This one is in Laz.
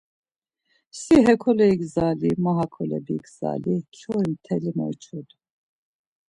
Si hekole igzali, ma hakole bigzali, kyoi mteli moyçodu.